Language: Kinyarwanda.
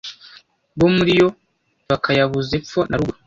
bo muri yo bakayabuza epfo na ruguru